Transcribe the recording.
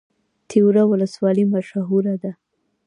تیوره ولسوالۍ مشهوره ده؟